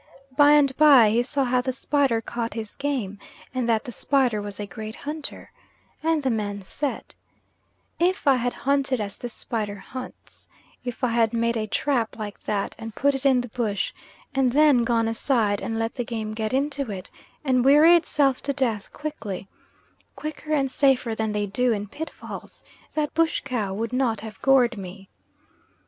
By and by he saw how the spider caught his game, and that the spider was a great hunter, and the man said "If I had hunted as this spider hunts, if I had made a trap like that and put it in the bush and then gone aside and let the game get into it and weary itself to death quickly, quicker and safer than they do in pit falls that bush cow would not have gored me."